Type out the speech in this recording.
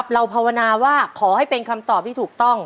ภาวนาว่าขอให้เป็นคำตอบที่ถูกต้อง